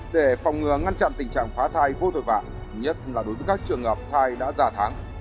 để phòng ngừa ngăn chặn tình trạng phá thai vô tội vạm nhất là đối với các trường hợp thai đã già tháng